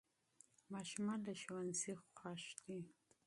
ماشومان له ښوونځي خوښ دي.